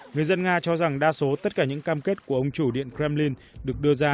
người dân nga cho rằng đa số tất cả những cam kết của ông chủ điện kremlin được đưa ra